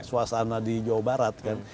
suasana di jawa barat kan